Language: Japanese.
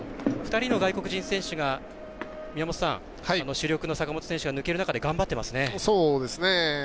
２人の外国人選手が宮本さん、主力の坂本選手が抜ける中で頑張ってますね。